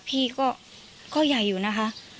พี่ก็ใหญ่อยู่นะคะ